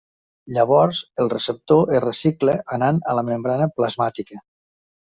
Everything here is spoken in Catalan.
Llavors el receptor es recicla anant a la membrana plasmàtica.